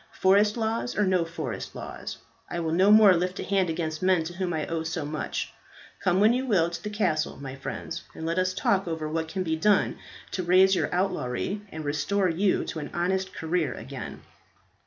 Forest laws or no forest laws, I will no more lift a hand against men to whom I owe so much. Come when you will to the castle, my friends, and let us talk over what can be done to erase your outlawry and restore you to an honest career again."